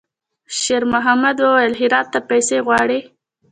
شېرمحمد وويل: «هرات ته پیسې غواړي.»